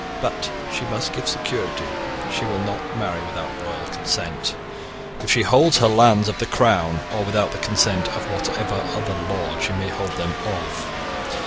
But she must give security that she will not marry without royal consent, if she holds her lands of the Crown, or without the consent of whatever other lord she may hold them of.